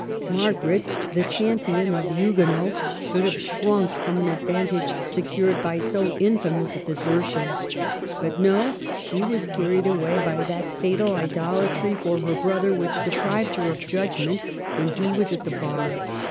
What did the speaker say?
Margaret, the champion of the Huguenots, should have shrunk from an advantage secured by so infamous a desertion. But no ; she was car ried away by that fatal idolatry for her brother which deprived her of judgment when he was at the bar.